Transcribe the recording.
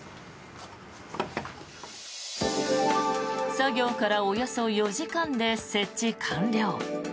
作業からおよそ４時間で設置完了。